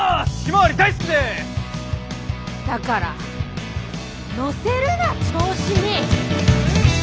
だから乗せるな調子に。